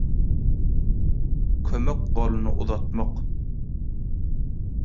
kömek goluny uzatmak